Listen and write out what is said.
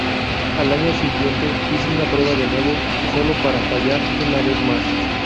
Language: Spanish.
Al año siguiente hizo una prueba de nuevo, solo para fallar una vez más.